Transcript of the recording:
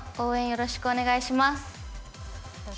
よろしくお願いします。